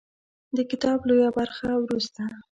د کتاب لویه برخه وروسته